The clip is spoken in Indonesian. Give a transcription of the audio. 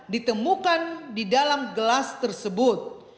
ditemukan di dalam gelas tersebut